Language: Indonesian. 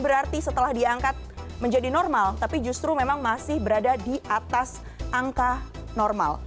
berarti setelah diangkat menjadi normal tapi justru memang masih berada di atas angka normal